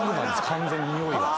完全ににおいが。